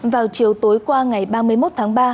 vào chiều tối qua ngày ba mươi một tháng ba